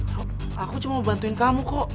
loh aku cuma mau bantuin kamu kok